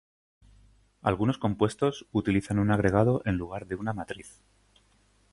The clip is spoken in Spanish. Algunos compuestos utilizan un agregado en lugar de una matriz.